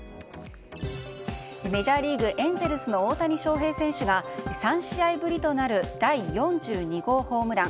メジャーリーグ、エンゼルスの大谷翔平選手が３試合ぶりとなる第４２号ホームラン。